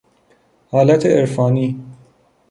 حالت عرفانی